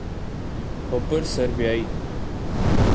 اپر سربیائی